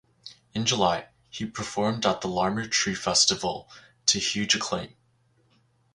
In July he performed at the Larmer Tree Festival to huge acclaim.